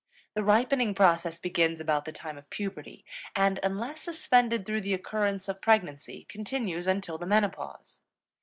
The ripening process begins about the time of puberty, and, unless suspended through the occurrence of pregnancy, continues until the menopause.